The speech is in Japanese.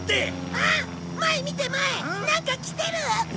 前見て前！なんか来てる！